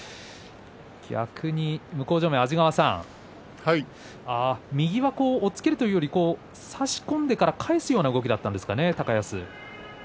逆に向正面、安治川さん右は押っつけるというより差し込んでから返すような動きだったんですかね、高安は。